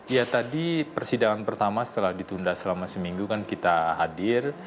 ya tadi persidangan pertama setelah ditunda selama seminggu kan kita hadir